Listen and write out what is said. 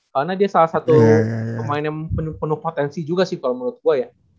karena dia salah satu pemain yang penuh potensi juga sih kalo menurut gue ya